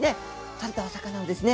取ったお魚をですね